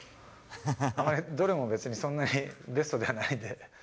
あまり、どれも別にそんなにベストではないんで。